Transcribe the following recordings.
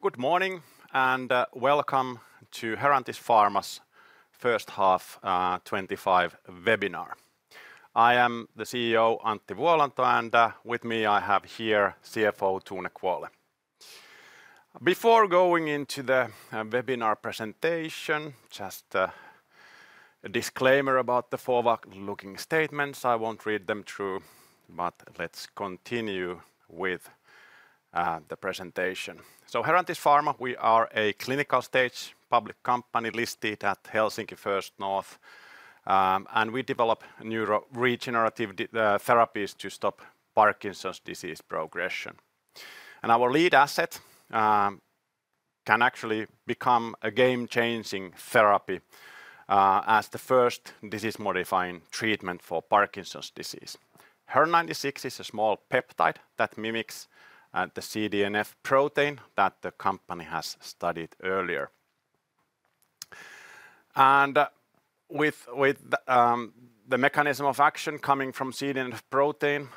Good morning and welcome to Herantis Pharma's first half of the 2025 webinar. I am the CEO, Antti Vuolanto, and with me I have here CFO Tone Kvåle. Before going into the webinar presentation, just a disclaimer about the forward-looking statements. I won't read them through, but let's continue with the presentation. Herantis Pharma, we are a clinical stage public company listed at Helsinki First North, and we develop neuroregenerative therapies to stop Parkinson's disease progression. Our lead asset can actually become a game-changing therapy as the first disease-modifying treatment for Parkinson's disease. HER-096 is a small peptide that mimics the CDNF protein that the company has studied earlier. With the mechanism of action coming from CDNF protein,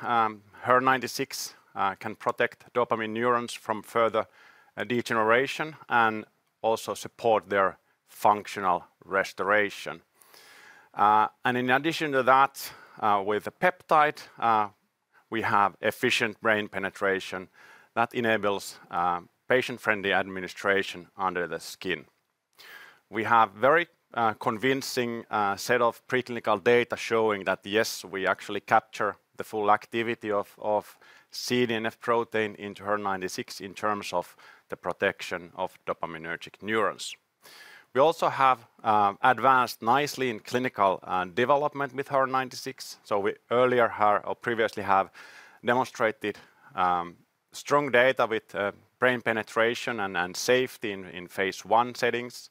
HER-096 can protect dopaminergic neurons from further degeneration and also support their functional restoration. In addition to that, with the peptide, we have efficient brain penetration that enables patient-friendly administration under the skin. We have a very convincing set of preclinical data showing that, yes, we actually capture the full activity of CDNF protein into HER-096 in terms of the protection of dopaminergic neurons. We also have advanced nicely in clinical development with HER-096. We earlier or previously have demonstrated strong data with brain penetration and safety in phase I settings.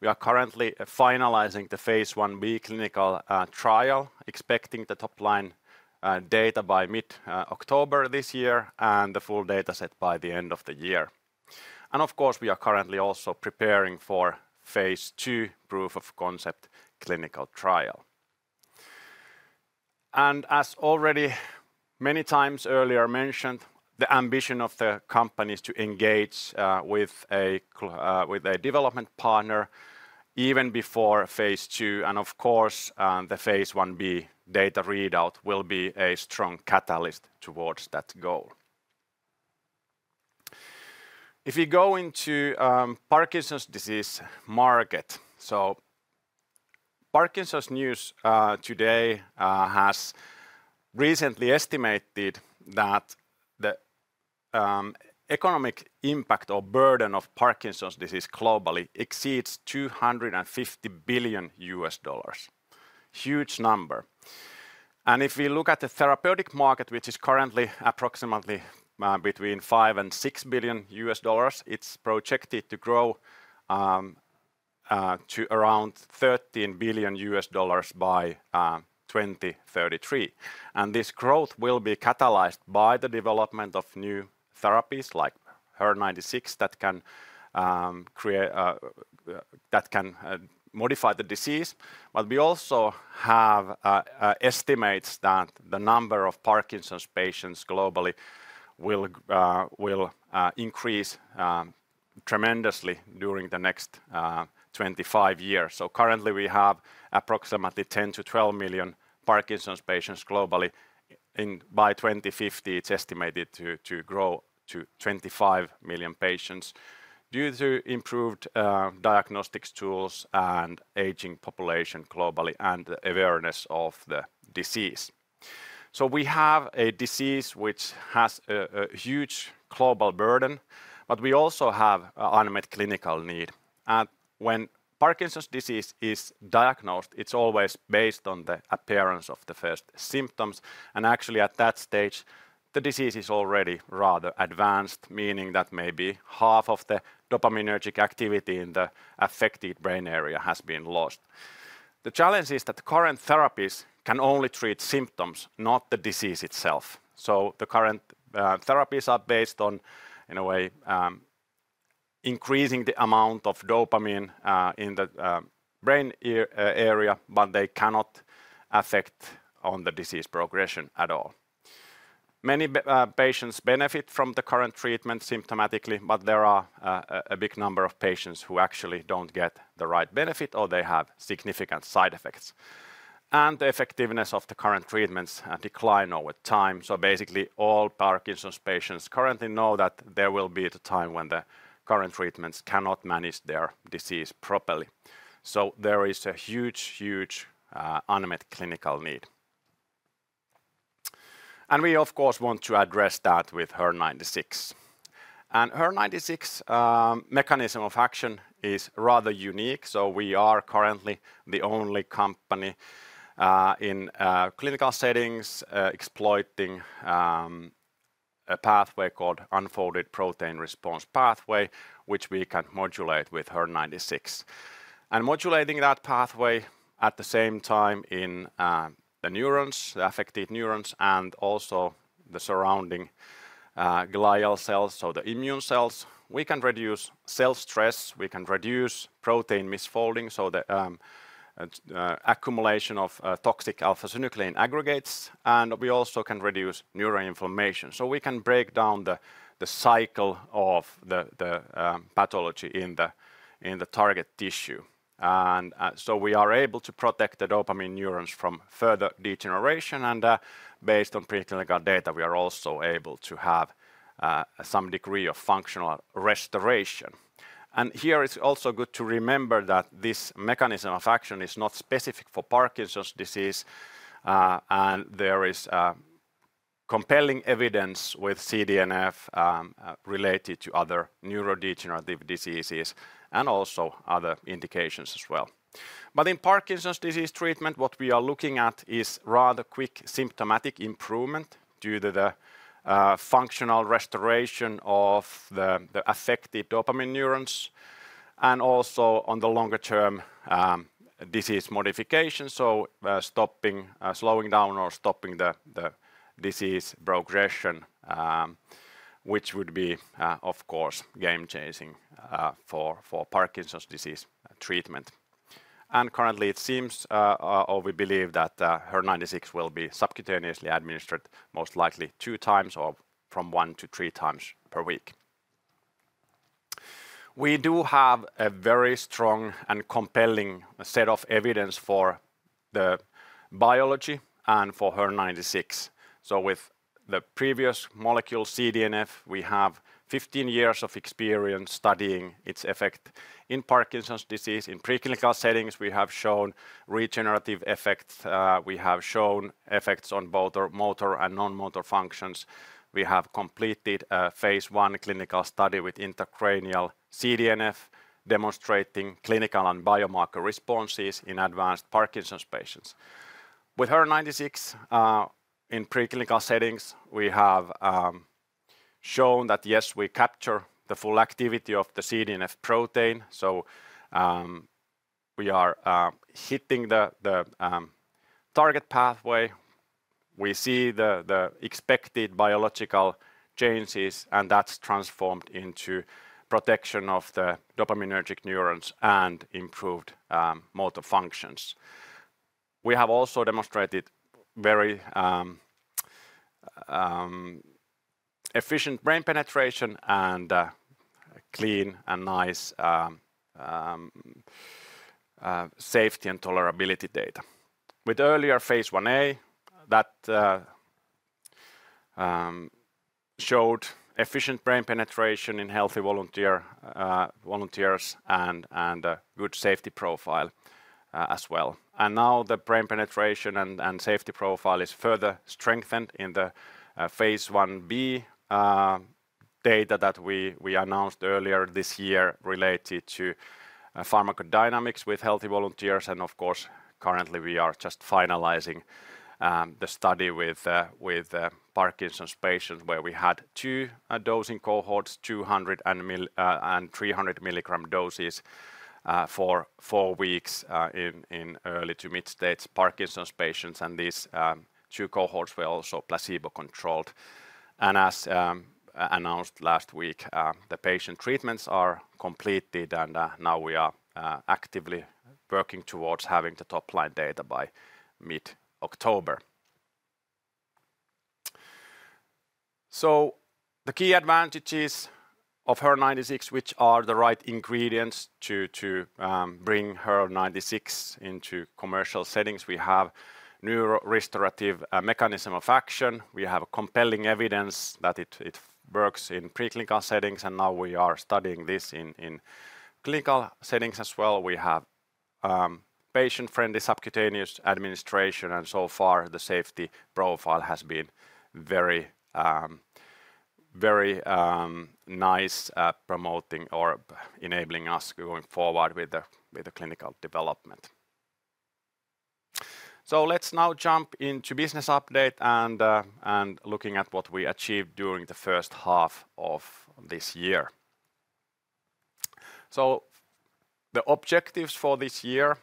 We are currently finalizing the phase I-B clinical trial, expecting the top-line data by mid-October this year and the full data set by the end of the year. We are currently also preparing for phase II proof-of-concept clinical trial. As already many times earlier mentioned, the ambition of the company is to engage with a development partner even before phase II. The phase I-B data readout will be a strong catalyst towards that goal. If you go into the Parkinson's disease market, Parkinson's News Today has recently estimated that the economic impact or burden of Parkinson's disease globally exceeds $250 billion. Huge number. If we look at the therapeutic market, which is currently approximately between $5 billion and $6 billion, it's projected to grow to around $13 billion by 2033. This growth will be catalyzed by the development of new therapies like HER-096 that can modify the disease. We also have estimates that the number of Parkinson's patients globally will increase tremendously during the next 25 years. Currently, we have approximately 10 milliom-12 million Parkinson's patients globally. By 2050, it's estimated to grow to 25 million patients due to improved diagnostic tools, an aging population globally, and the awareness of the disease. We have a disease which has a huge global burden, but we also have unmet clinical need. When Parkinson's disease is diagnosed, it's always based on the appearance of the first symptoms. At that stage, the disease is already rather advanced, meaning that maybe half of the dopaminergic activity in the affected brain area has been lost. The challenge is that current therapies can only treat symptoms, not the disease itself. The current therapies are based on, in a way, increasing the amount of dopamine in the brain area, but they cannot affect the disease progression at all. Many patients benefit from the current treatment symptomatically, but there are a big number of patients who actually don't get the right benefit or they have significant side effects. The effectiveness of the current treatments declines over time. Basically, all Parkinson's patients currently know that there will be a time when the current treatments cannot manage their disease properly. There is a huge, huge unmet clinical need. We, of course, want to address that with HER-096. HER-096's mechanism of action is rather unique. We are currently the only company in clinical settings exploiting a pathway called unfolded protein response pathway, which we can modulate with HER-096. Modulating that pathway at the same time in the neurons, the affected neurons, and also the surrounding glial cells, so the immune cells, we can reduce cell stress. We can reduce protein misfolding, so the accumulation of toxic alpha-synuclein aggregates. We also can reduce neuroinflammation. We can break down the cycle of the pathology in the target tissue. We are able to protect the dopamine neurons from further degeneration. Based on preclinical data, we are also able to have some degree of functional restoration. Here it's also good to remember that this mechanism of action is not specific for Parkinson's disease. There is compelling evidence with CDNF related to other neurodegenerative diseases and also other indications as well. In Parkinson's disease treatment, what we are looking at is rather quick symptomatic improvement due to the functional restoration of the affected dopaminergic neurons and also on the longer-term disease modification. Slowing down or stopping the disease progression would be, of course, game-changing for Parkinson's disease treatment. Currently, it seems, or we believe that HER-096 will be subcutaneously administered most likely two times or from one to three times per week. We do have a very strong and compelling set of evidence for the biology and for HER-096. With the previous molecule CDNF, we have 15 years of experience studying its effect in Parkinson's disease. In preclinical settings, we have shown regenerative effects. We have shown effects on both motor and non-motor functions. We have completed a phase I clinical study with intracranial CDNF demonstrating clinical and biomarker responses in advanced Parkinson's patients. With HER-096 in preclinical settings, we have shown that, yes, we capture the full activity of the CDNF protein. We are hitting the target pathway. We see the expected biological changes, and that's transformed into protection of the dopaminergic neurons and improved motor functions. We have also demonstrated very efficient brain penetration and clean and nice safety and tolerability data. With earlier phase 1a, that showed efficient brain penetration in healthy volunteers and a good safety profile as well. Now the brain penetration and safety profile is further strengthened in the phase I-B data that we announced earlier this year related to pharmacodynamics with healthy volunteers. Currently we are just finalizing the study with Parkinson's patients where we had two dosing cohorts, 200 mg and 300 mg doses for four weeks in early to mid-stage Parkinson's patients. These two cohorts were also placebo controlled. As announced last week, the patient treatments are completed and now we are actively working towards having the top-line data by mid-October. The key advantages of HER-096, which are the right ingredients to bring HER-096 into commercial settings, are that we have a neurorestorative mechanism of action. We have compelling evidence that it works in preclinical settings, and now we are studying this in clinical settings as well. We have patient-friendly subcutaneous administration, and so far the safety profile has been very nice, promoting or enabling us going forward with the clinical development. Let's now jump into a business update and look at what we achieved during the first half of this year. The objectives for this year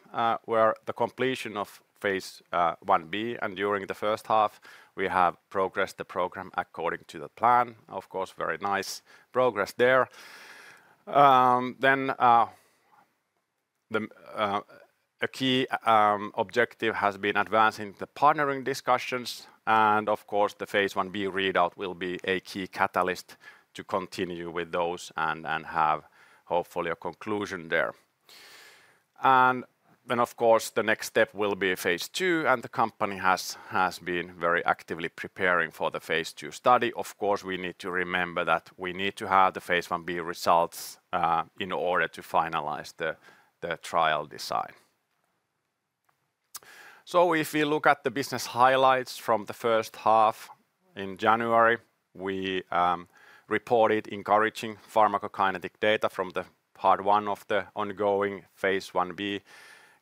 were the completion of phase I-B, and during the first half, we have progressed the program according to the plan. Very nice progress there. A key objective has been advancing the partnering discussions, and the phase I-B readout will be a key catalyst to continue with those and have hopefully a conclusion there. The next step will be phase II, and the company has been very actively preparing for the phase II study. We need to remember that we need to have the phase I-B results in order to finalize the trial design. If we look at the business highlights from the first half, in January, we reported encouraging pharmacokinetic data from part one of the ongoing phase I-B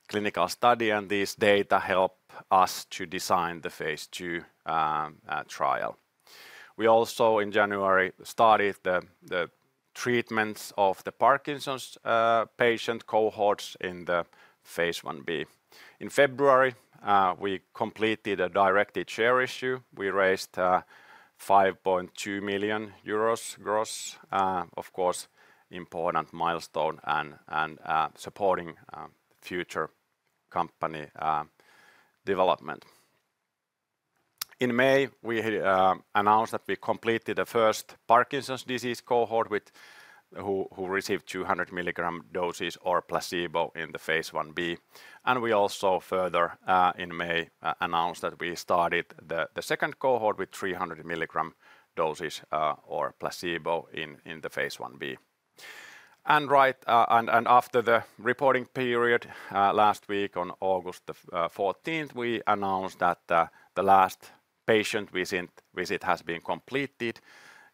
clinical study, and these data help us to design the phase II trial. In January, we also started the treatments of the Parkinson's patient cohorts in the phase I-B. In February, we completed a directed share issue. We raised €5.2 million gross, of couse, important milestone and supporting future company development. In May, we announced that we completed the first Parkinson's disease cohort who received 200 mg doses or placebo in the phase I-B. In May, we also announced that we started the second cohort with 300 mg doses or placebo in the phase I-B. After the reporting period last week, on August 14, we announced that the last patient visit has been completed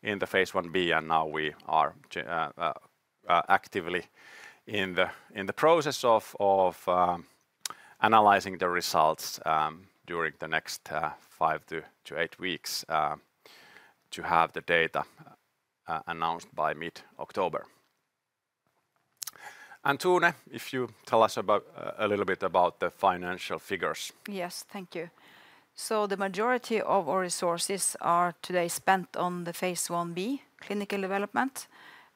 in the phase I-B, and now we are actively in the process of analyzing the results during the next five to eight weeks to have the data announced by mid October. Tone, if you tell us a little bit about the financial figures. Yes, thank you. The majority of our resources are today spent on the phase I-B clinical development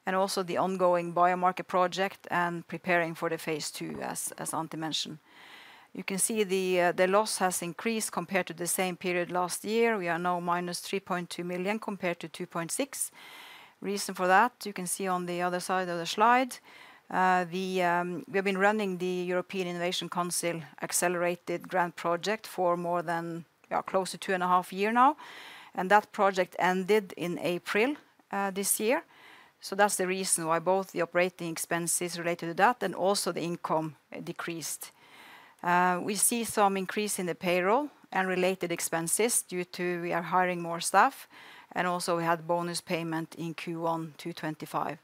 and also the ongoing biomarker project and preparing for the phase II, as Antti mentioned. You can see the loss has increased compared to the same period last year. We are now minus €3.2 million compared to €2.6 million. The reason for that, you can see on the other side of the slide, we have been running the European Innovation Council accelerated grant project for close to two and a half years now. That project ended in April this year. That is the reason why both the operating expenses related to that and also the income decreased. We see some increase in the payroll and related expenses due to we are hiring more staff. We also had bonus payment in Q1 2025.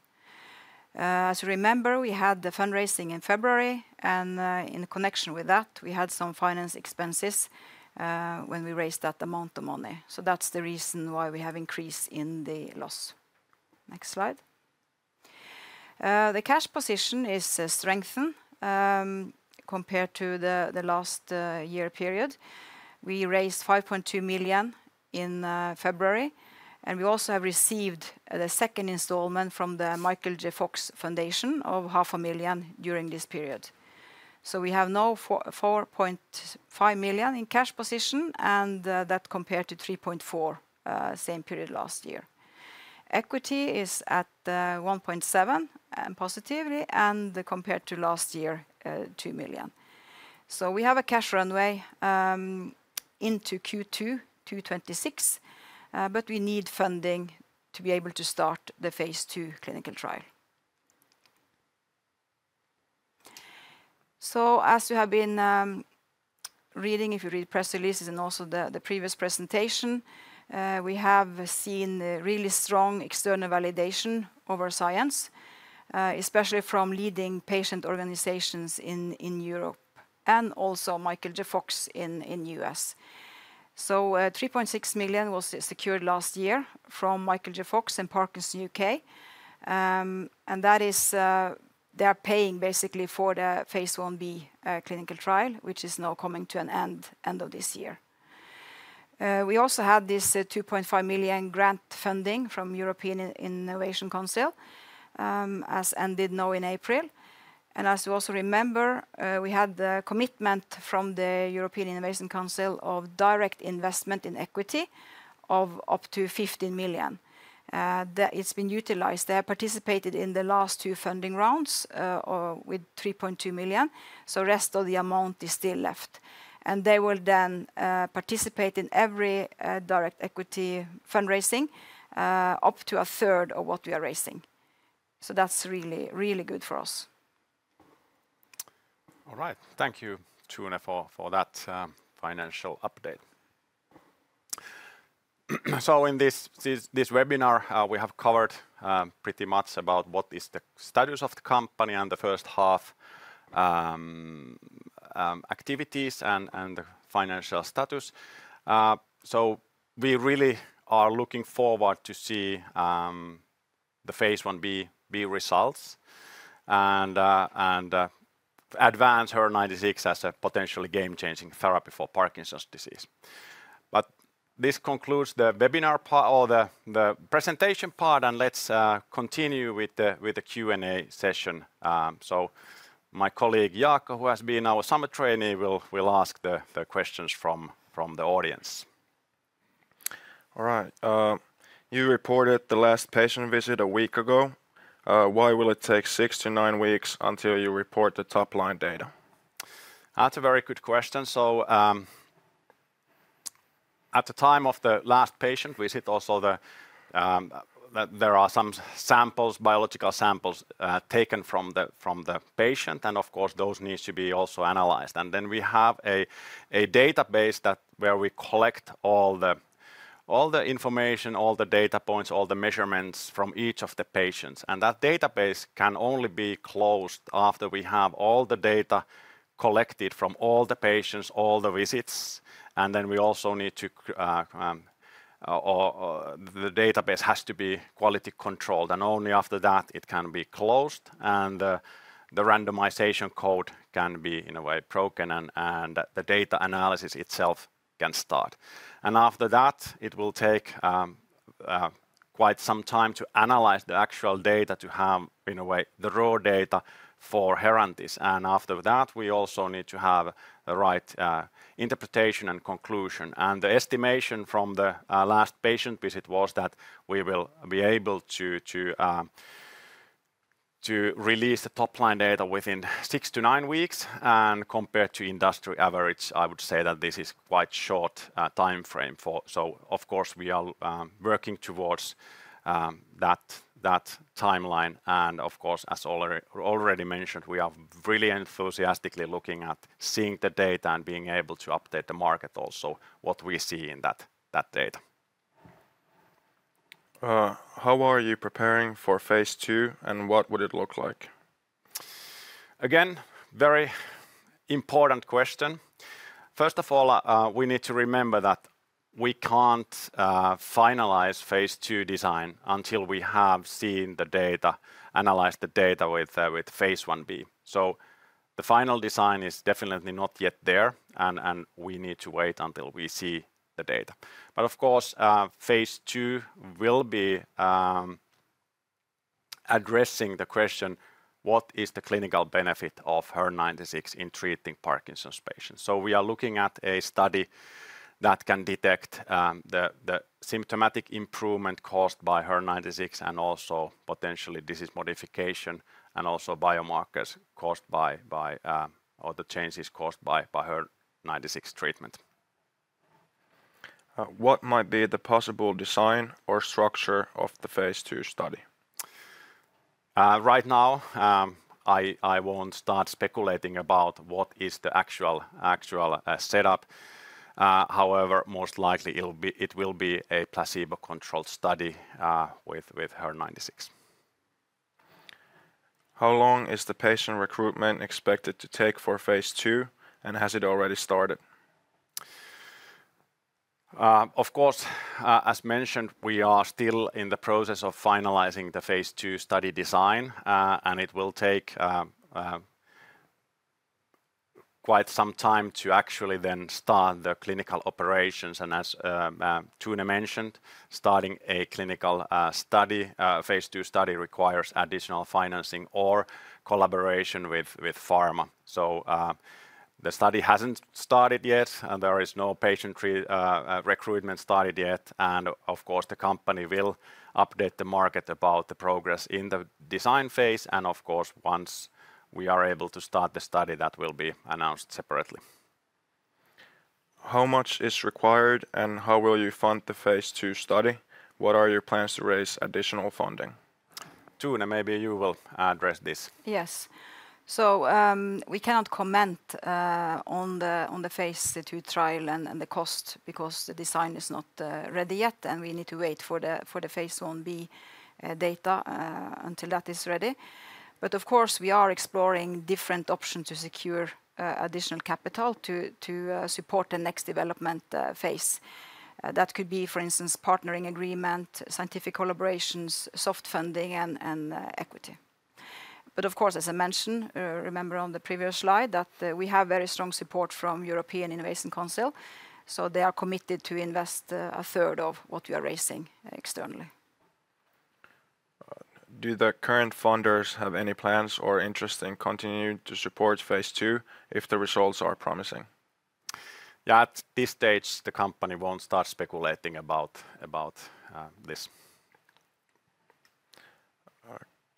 As you remember, we had the fundraising in February, and in connection with that, we had some finance expenses when we raised that amount of money. That is the reason why we have increased in the loss. Next slide. The cash position is strengthened compared to the last year period. We raised €5.2 million in February, and we also have received the second installment from the Michael J. Fox Foundation of €500,000 during this period. We have now €4.5 million in cash position, and that compared to €3.4 million same period last year. Equity is at €1.7 million positively, and compared to last year, €2 million. We have a cash runway into Q2 2026, but we need funding to be able to start the phase II clinical trial. As you have been reading, if you read press releases and also the previous presentation, we have seen really strong external validation of our science, especially from leading patient organizations in Europe and also Michael J. Fox in the U.S. €3.6 million was secured last year from Michael J. Fox Foundation and Parkinson's U.K. That is they're paying basically for the phase I-B clinical trial, which is now coming to an end end of this year. We also had this €2.5 million grant funding from the European Innovation Council, as Antti did know in April. As you also remember, we had the commitment from the European Innovation Council of direct investment in equity of up to €15 million. It's been utilized. They have participated in the last two funding rounds with €3.2 million. The rest of the amount is still left. They will then participate in every direct equity fundraising up to a third of what we are raising. That is really, really good for us. All right. Thank you, Tone, for that financial update. In this webinar, we have covered pretty much about what is the status of the company and the first half activities and the financial status. We really are looking forward to see the phase I-B results and advance HER-096 as a potentially game-changing therapy for Parkinson's disease. This concludes the webinar or the presentation part, and let's continue with the Q&A session. My colleague Jaakko, who has been our summer trainee, will ask the questions from the audience. All right. You reported the last patient visit a week ago. Why will it take six to nine weeks until you report the top-line data? That's a very good question. At the time of the last patient visit, there are some biological samples taken from the patient, and of course, those need to be analyzed. We have a database where we collect all the information, all the data points, all the measurements from each of the patients. That database can only be closed after we have all the data collected from all the patients and all the visits. The database has to be quality controlled, and only after that it can be closed. The randomization code can be, in a way, broken, and the data analysis itself can start. After that, it will take quite some time to analyze the actual data to have, in a way, the raw data for Herantis. After that, we also need to have the right interpretation and conclusion. The estimation from the last patient visit was that we will be able to release the top-line data within six to nine weeks. Compared to industry average, I would say that this is quite a short time frame. We are working towards that timeline. As already mentioned, we are really enthusiastically looking at seeing the data and being able to update the market also on what we see in that data. How are you preparing for phase II, and what would it look like? Again, very important question. First of all, we need to remember that we can't finalize phase II design until we have seen the data, analyzed the data with phase I-B. The final design is definitely not yet there, and we need to wait until we see the data. Of course, phase II will be addressing the question, what is the clinical benefit of HER-096 in treating Parkinson's patients? We are looking at a study that can detect the symptomatic improvement caused by HER-096 and also potentially disease modification and also biomarkers caused by or the changes caused by HER-096 treatment. What might be the possible design or structure of the phase II study? Right now, I won't start speculating about what is the actual setup. However, most likely, it will be a placebo-controlled study with HER-096. How long is the patient recruitment expected to take for phase II, and has it already started? Of course, as mentioned, we are still in the process of finalizing the phase II study design, and it will take quite some time to actually then start the clinical operations. As Tone mentioned, starting a clinical study, phase II study requires additional financing or collaboration with pharma. The study hasn't started yet. There is no patient recruitment started yet. The company will update the market about the progress in the design phase. Once we are able to start the study, that will be announced separately. How much is required, and how will you fund the phase II study? What are your plans to raise additional funding? Tone, maybe you will address this. Yes. We can't comment on the phase II trial and the cost because the design is not ready yet, and we need to wait for the phase I-B data until that is ready. Of course, we are exploring different options to secure additional capital to support the next development phase. That could be, for instance, partnering agreement, scientific collaborations, soft funding, and equity. As I mentioned, remember on the previous slide that we have very strong support from the European Innovation Council. They are committed to invest a third of what we are raising externally. Do the current funders have any plans or interest in continuing to support phase II if the results are promising? At this stage, the company won't start speculating about this.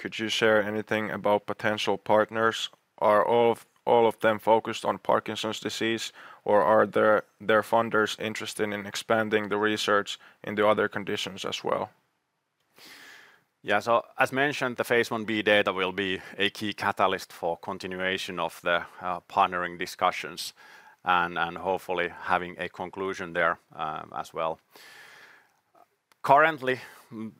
Could you share anything about potential partners? Are all of them focused on Parkinson's disease, or are their funders interested in expanding the research into other conditions as well? As mentioned, the phase I-B data will be a key catalyst for continuation of the partnering discussions and hopefully having a conclusion there as well. Currently,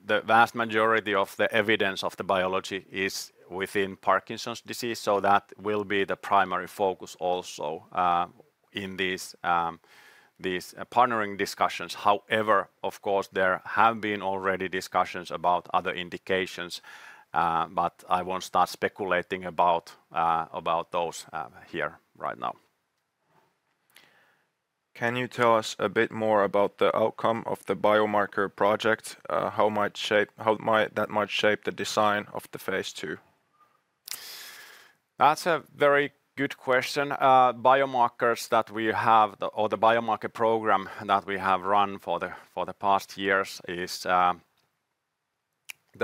the vast majority of the evidence of the biology is within Parkinson's disease, so that will be the primary focus also in these partnering discussions. However, of course, there have been already discussions about other indications, but I won't start speculating about those here right now. Can you tell us a bit more about the outcome of the biomarker project? How might that shape the design of the phase II? That's a very good question. Biomarkers that we have, or the biomarker program that we have run for the past years, the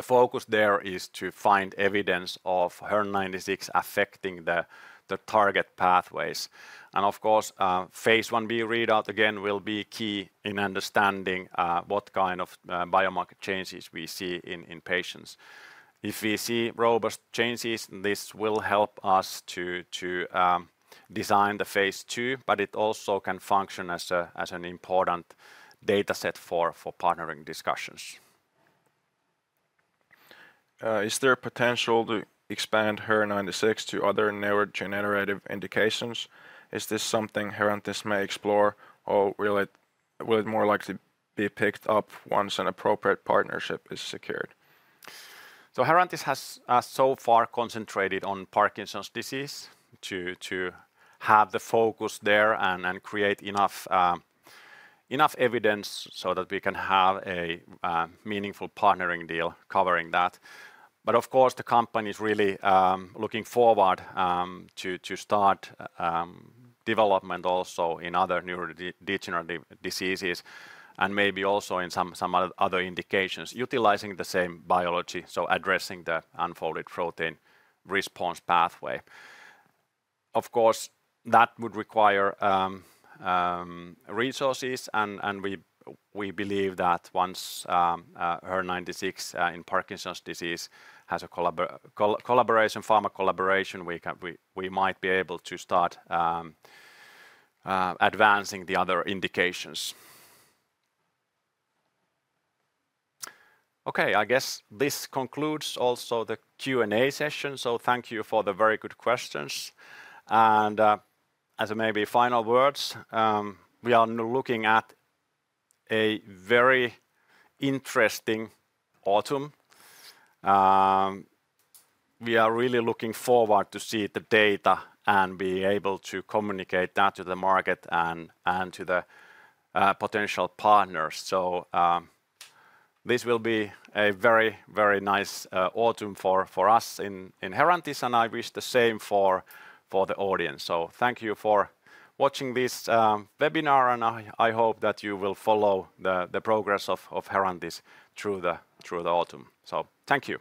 focus there is to find evidence of HER-096 affecting the target pathways. Of course, phase I-B readout again will be key in understanding what kind of biomarker changes we see in patients. If we see robust changes, this will help us to design the phase II, but it also can function as an important data set for partnering discussions. Is there a potential to expand HER-096 to other neurodegenerative indications? Is this something Herantis may explore, or will it more likely be picked up once an appropriate partnership is secured? Herantis has so far concentrated on Parkinson's disease to have the focus there and create enough evidence so that we can have a meaningful partnering deal covering that. The company is really looking forward to start development also in other neurodegenerative diseases and maybe also in some other indications utilizing the same biology, addressing the unfolded protein response pathway. That would require resources, and we believe that once HER-096 in Parkinson's disease has a pharma collaboration, we might be able to start advancing the other indications. I guess this concludes also the Q&A session. Thank you for the very good questions. As maybe final words, we are looking at a very interesting autumn. We are really looking forward to see the data and be able to communicate that to the market and to the potential partners. This will be a very, very nice autumn for us in Herantis, and I wish the same for the audience. Thank you for watching this webinar, and I hope that you will follow the progress of Herantis through the autumn. Thank you.